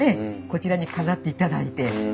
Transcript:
こちらに飾っていただいて。